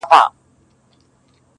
و دې محفل ته سوخه شنگه پېغلچکه راځي~